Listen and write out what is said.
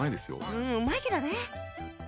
うんうまいけどね。